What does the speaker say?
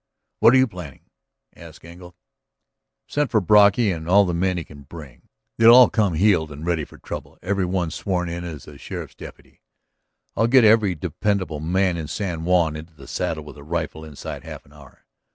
"What are you planning?" asked Engle. "I've sent for Brocky and all the men he can bring. They'll all come heeled and ready for trouble, every one sworn in as a sheriff's deputy. I'll get every dependable man in San Juan into the saddle with a rifle inside half an hour.